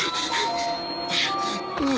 ああ！